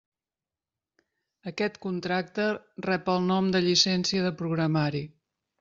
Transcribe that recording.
Aquest contracte rep el nom de “llicència de programari”.